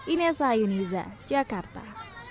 inessa yuniza jakarta